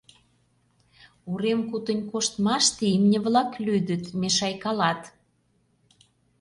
Урем кутынь коштмаште имне-влак лӱдыт, мешайкалат.